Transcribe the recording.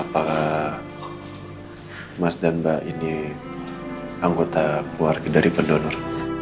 pak mas dan mbak ini anggota keluarga dari pendonor